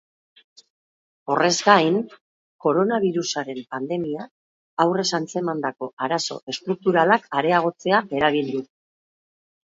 Horrez gain, koronabirusaren pandemiak aurrez antzemandako arazo estrukturalak areagotzea eragin du.